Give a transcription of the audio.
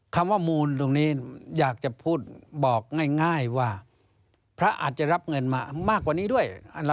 คำว่ามูลตรงนี้อยากจะพูดบอกง่ายว่าพระอาจจะรับเงินมามากกว่านี้ด้วย